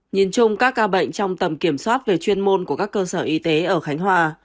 nhìn chung các ca bệnh trong tầm kiểm soát về chuyên môn của các cơ sở y tế ở khánh hòa